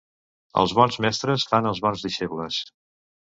Els bons mestres fan els bons deixebles.